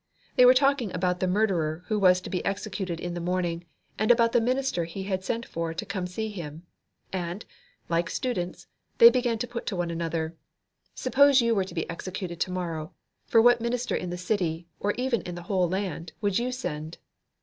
They were talking about the murderer who was to be executed in the morning, and about the minister he had sent for to come to see him. And, like students, they began to put it to one another Suppose you were to be executed to morrow, for what minister in the city, or even in the whole land, would you send?